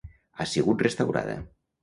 Ha sigut restaurada.